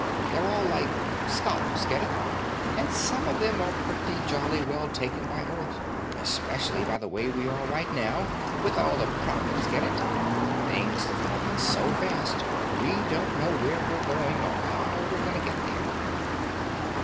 They're all like scholars, get it? And some of them are pretty jolly well taken by Earth, especially the way we are right now, with all the problems, get it? Things developing so fast we don't know where we're going or how we're going to get there."